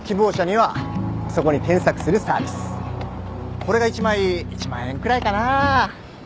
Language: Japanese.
これが１枚１万円くらいかな。